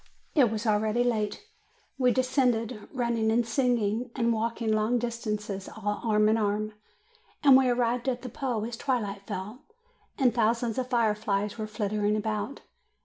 It was already late. We descended, running and singing, and walking long distances all arm in arm, and we arrived at the Po as twilight fell, and thousands of fireflies were flitting about.